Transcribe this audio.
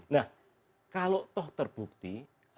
nah kalau toh terbukti